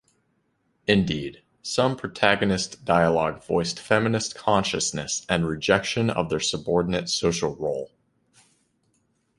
Indeed, some protagonist dialogue voiced feminist consciousness and rejection of their subordinated social role.